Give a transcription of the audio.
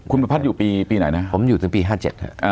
คุณประพันธ์อยู่ปีปีไหนนะฮะผมอยู่ถึงปีห้าเจ็ดฮะอ่า